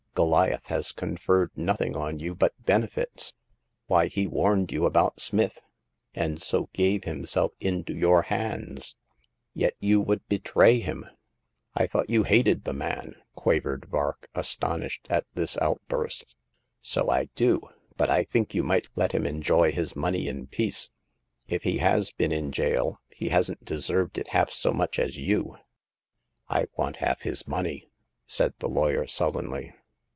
Goliath has conferred nothing on you but benefits ; why, he warned you about Smith, and so gave himself into your hands ; yet you would betray him !"I thought you hated the man !" quavered Vark, astonished at this outburst. " So I do ; but I think you might let him en joy his money in peace. If he has been in jail, he hasn't deserved it half so much as you." I want half his money," said the lawyer, sullenly.